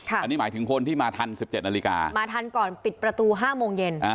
อันนี้หมายถึงคนที่มาทัน๑๗นาฬิกามาทันก่อนปิดประตู๕โมงเย็น